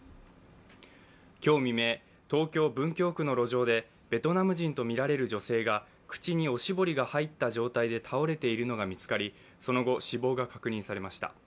今日未明、東京・文京区の路上でベトナム人とみられる女性が口におしぼりが入った状態で倒れているのが見つかり、その後、死亡が確認されました。